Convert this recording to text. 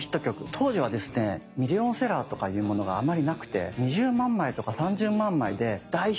当時はですねミリオンセラーとかいうものがあまりなくて２０万枚とか３０万枚で大ヒットって言われてた時代なんですね。